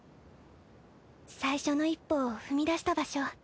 最初の一歩を踏み出した場所。